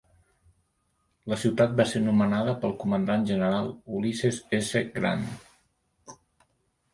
La ciutat va ser nomenada pel comandant general Ulysses S. Grant.